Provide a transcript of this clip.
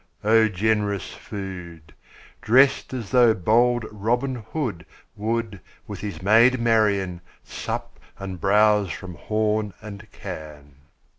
O generous food! Drest as though bold Robin Hood 10 Would, with his maid Marian, Sup and bowse from horn and can.